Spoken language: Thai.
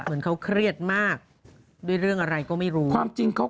เหมือนเขาเครียดมากด้วยเรื่องอะไรก็ไม่รู้ความจริงเขา